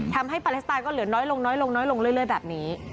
ทำให้ปาเลสไทยก็เหลือน้อยลงเรื่อยแบบนี้